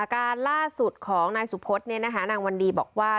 ของนายสุพธิ์เนี่ยนะคะนางวันดีบอกว่า